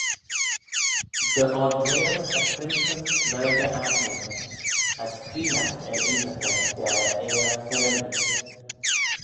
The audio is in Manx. Dy oardail e phrinceyn lurg e aigney: as creenaght y ynsaghey da e ir-choyrlee.